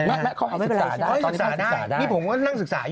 ไม่เป็นไรใช่ป่ะตอนนี้เขาศึกษาได้นี่ผมก็นั่งศึกษาอยู่